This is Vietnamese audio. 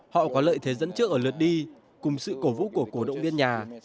họ có lợi thế dẫn trước ở lượt đi cùng sự cổ vũ của cổ động viên nhà